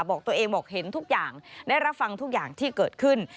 บอกตัวเองบอกเห็นทุกอย่างได้รับฟังทุกอย่างที่เกิดขึ้น